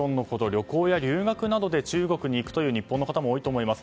旅行や留学などで中国に行くという日本の方も多いと思います。